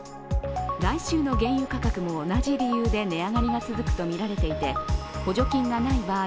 来週の原油価格も同じ理由で値上がりが続くとみられていて補助金がない場合